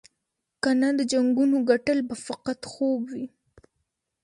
کنه د جنګونو ګټل به فقط خوب وي.